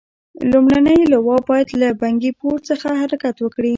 لومړنۍ لواء باید له بنکي پور څخه حرکت وکړي.